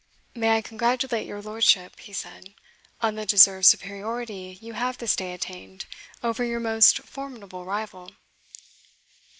"May I congratulate your lordship," he said, "on the deserved superiority you have this day attained over your most formidable rival?"